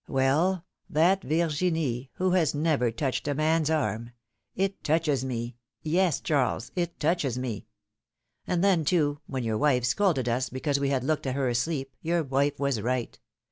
Well ! that Virginie, who has never touched a man's arm — it touches me, yes, Charles, it touches me ! And then, too, when your wife scolded us, because we had looked at her asleep — your wife was right